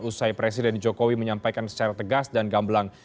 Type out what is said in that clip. usai presiden jokowi menyampaikan secara tegas dan gamblang